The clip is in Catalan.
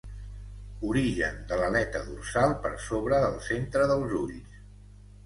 Origen de l'aleta dorsal per sobre del centre dels ulls.